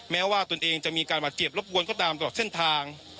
แม้ว่าตัวเองจะมีการมาเจียบรบวนเข้าตามตลอดเส้นทาง